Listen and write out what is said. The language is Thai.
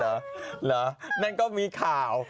เหรอนั่นก็มีข่าว